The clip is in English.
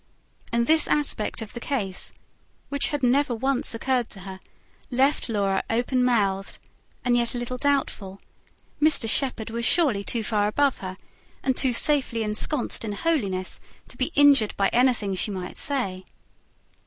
And this aspect of the case, which had never once occurred to her, left Laura open mouthed; and yet a little doubtful: Mr. Shepherd was surely too far above her, and too safely ensconced in holiness, to be injured by anything she might say.